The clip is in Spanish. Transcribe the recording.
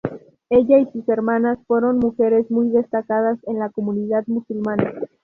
Ella y sus hermanas fueron mujeres muy destacadas en la comunidad musulmana.